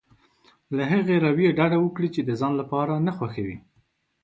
له هغې رويې ډډه وکړي چې د ځان لپاره نه خوښوي.